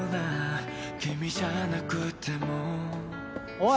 おい！